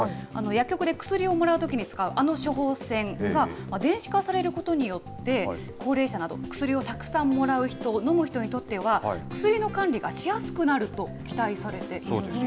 薬局で薬をもらうときに使う、あの処方箋が電子化されるによって、高齢者など、薬をたくさんもらう人、飲む人にとっては、薬の管理がしやすくなると期待されているんです。